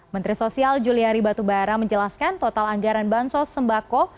menteri sosial juliari batubara menjelaskan total anggaran bansos sembako